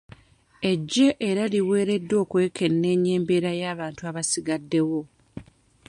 Eggye era liweereddwa okwekenneenya embeera y'abantu abasigaddewo.